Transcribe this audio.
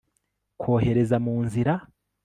Kohereza mu nzira